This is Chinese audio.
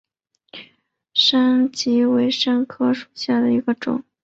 山蓼为蓼科山蓼属下的一个种。